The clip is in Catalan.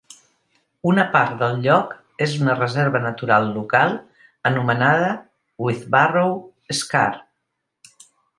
Una part del lloc és una reserva natural local anomenada Whitbarrow Scar.